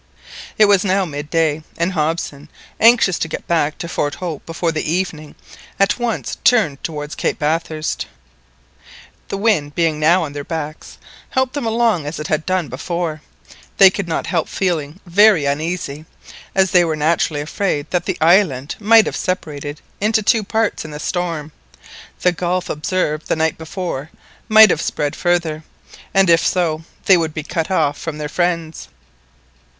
It was now mid day, and Hobson, anxious to get back to Fort Hope before the evening, at once turned towards Cape Bathurst. The wind, being now on their backs, helped them along as it had done before. They could not help feeling very uneasy, as they were naturally afraid that the island might have separated into two parts in the storm. The gulf observed the night before might have spread farther, and if so they would be cut off from their friends.